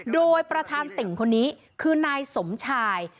โดยประธานติ่งคนนี้คือนายสมชาย